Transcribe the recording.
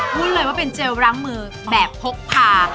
พูดเลยว่าเป็นเจลล้างมือแบบพกพา